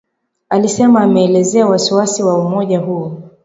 Alisema ameelezea wasiwasi wa umoja huo